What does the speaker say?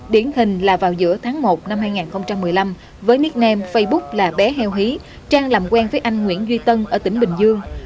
điển hình là vào giữa tháng một năm hai nghìn một mươi năm với nicknam facebook là bé heo hí trang làm quen với anh nguyễn duy tân ở tỉnh bình dương